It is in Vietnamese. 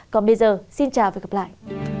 còn bây giờ xin chào và gặp lại